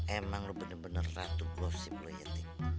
emang lo bener bener ratu glosip lo ya ting